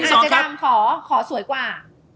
เจดำขอขอสวยกว่า